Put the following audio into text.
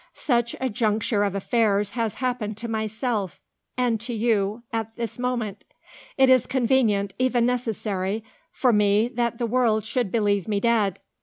Such a juncture of affairs has happened to myself and to you at this moment. It is convenient even necessary for me that the world should believe me dead.